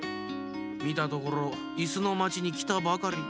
みたところいすのまちにきたばかり。